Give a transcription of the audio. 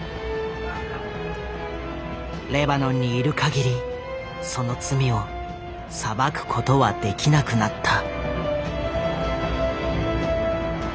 レバノンにいるかぎりその罪を裁くことはできなくなった。